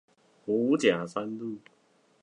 五甲三路